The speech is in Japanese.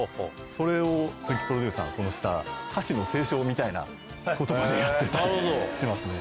それを鈴木プロデューサーがこの下歌詞の清書みたいなことまでやってたりしますね。